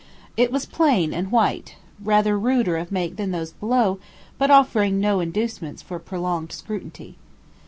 It was plain and white, rather ruder of make than those below, but offering no inducements for prolonged scrutiny.